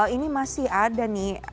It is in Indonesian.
ini masih ada nih